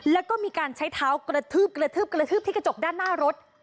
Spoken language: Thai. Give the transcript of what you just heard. และก็มีการใช้เท้ากระทืบที่กระจกหน้ารถ